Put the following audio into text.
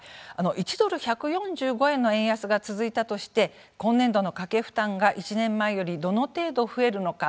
１ドル１４５円の円安が続いたとして今年度の家計負担が１年前よりどの程度増えるのか。